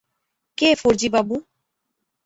কে ফর্জি বাবু?